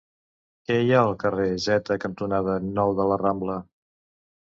Què hi ha al carrer Zeta cantonada Nou de la Rambla?